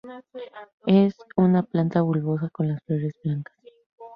Es una planta bulbosa con las flores blancas.